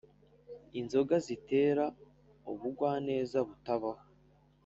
Inzoga zitera ubugwaneza butabaho